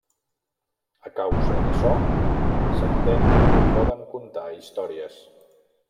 A causa d'açò s'entén que poden contar històries.